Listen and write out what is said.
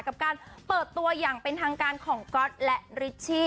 กับการเปิดตัวอย่างเป็นทางการของก๊อตและริชชี่